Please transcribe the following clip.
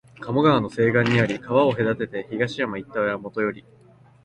加茂川の西岸にあり、川を隔てて東山一帯はもとより、